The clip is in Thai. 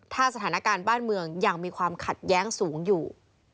ถ้าสถานการณ์บ้านเมืองยังมีความขัดแย้งสูงอยู่